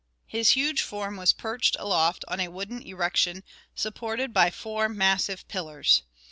His huge form was perched aloft on a wooden erection supported by four massive pillars.